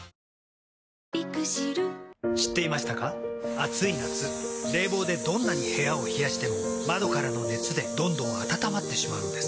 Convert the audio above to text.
暑い夏冷房でどんなに部屋を冷やしても窓からの熱でどんどん暖まってしまうんです。